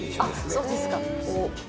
あっそうですか。